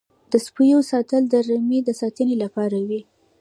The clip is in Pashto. د سپیو ساتل د رمې د ساتنې لپاره وي.